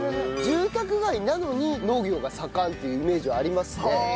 住宅街なのに農業が盛んっていうイメージはありますね。